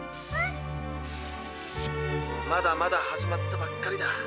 まだまだ始まったばっかりだ。